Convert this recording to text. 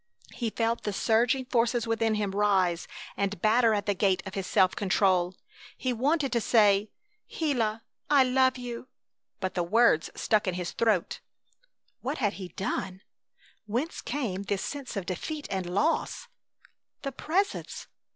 He felt the surging forces within him rise and batter at the gate of his self control. He wanted to say, "Gila, I love you!" but the words stuck in his throat. What had he done? Whence came this sense of defeat and loss? The Presence!